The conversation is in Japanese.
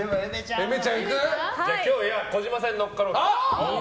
今日は児嶋さんに乗っかろうか。